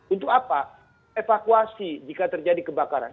untuk apa evakuasi jika terjadi kebakaran